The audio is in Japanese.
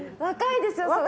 若いですよ。